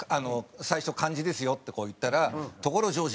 最初漢字ですよ」って言ったら「所ジョージ？